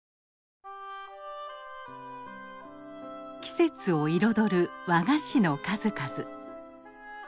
季節を彩る和菓子の数々。